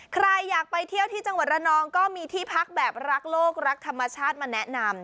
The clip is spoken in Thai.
ใครอยากไปเที่ยวที่จังหวัดระนองก็มีที่พักแบบรักโลกรักธรรมชาติมาแนะนำ